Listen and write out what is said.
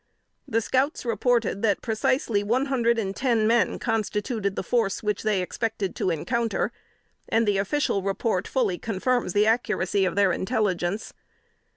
The scouts reported that precisely one hundred and ten men constituted the force which they expected to encounter, and the official report fully confirms the accuracy of their intelligence.